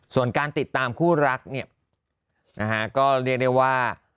ส่วนการติดตามผู้รักก็เรียกได้ว่า